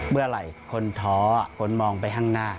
เมื่อไหร่คนท้อคนมองไปข้างหน้า